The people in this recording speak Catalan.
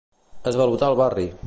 Esvalotar el barri.